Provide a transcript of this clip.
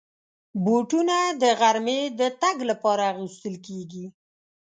بوټونه د غرمې د تګ لپاره اغوستل کېږي.